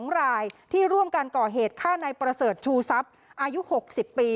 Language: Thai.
๒รายที่ร่วมกันก่อเหตุฆ่านายประเสริฐชูทรัพย์อายุ๖๐ปี